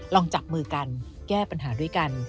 ลองจับมือกันแก้ปัญหาด้วยกัน